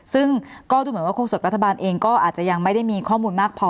ซึ่งก็ดูเหมือนว่าโฆษกรัฐบาลเองก็อาจจะยังไม่ได้มีข้อมูลมากพอ